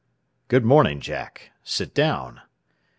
"Good morning, Jack. Sit down.